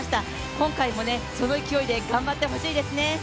今回もその勢いで頑張ってほしいですね。